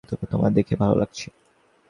তোমায় দেখে ভালো লাগছে।